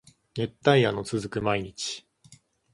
熱帯夜の続く毎日